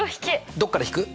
どっから引く？